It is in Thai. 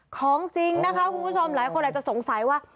ของจริงนะคะคุณผู้ชมหลายคนอาจจะสงสัยว่า